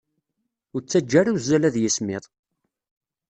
Ur ttaǧǧa ara uzzal ad yismiḍ!